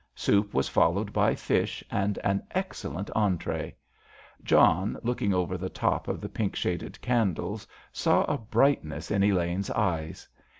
Soup was followed by fish and an excellent entrée. John, looking over the top of the pink shaded candles, saw a brightness in Elaine's eyes.